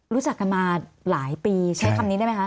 รู้จักกันมาหลายปีใช้คำนี้ได้ไหมคะ